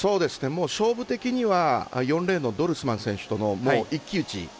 勝負的には４レーンのドルスマン選手との一騎打ち。